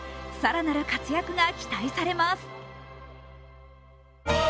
更なる活躍が期待されます。